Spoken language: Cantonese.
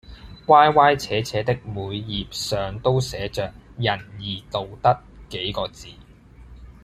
歪歪斜斜的每葉上都寫着「仁義道德」幾個字。